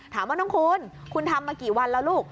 ถามว่าน้องคุณคุณทำมากี่วันแล้วลูก